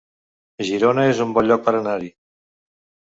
Girona es un bon lloc per anar-hi